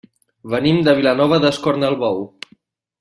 Venim de Vilanova d'Escornalbou.